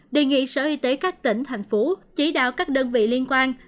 đề nghị sở y tế các tỉnh thành phố chỉ đạo các đơn vị liên quan